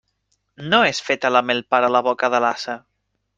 No és feta la mel per a la boca de l'ase.